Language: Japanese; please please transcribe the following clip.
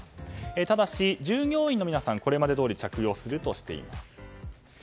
ただし、従業員の皆さんはこれまでどおり着用するとしています。